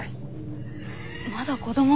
まだ子供。